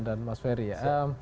dan mas feri ya